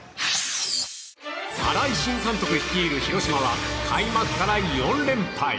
新井新監督率いる広島は開幕から４連敗。